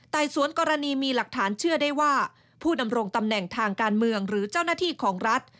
สวนกรณีมีหลักฐานเชื่อได้ว่าผู้ดำรงตำแหน่งทางการเมืองหรือเจ้าหน้าที่ของรัฐ